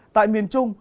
tại miền trung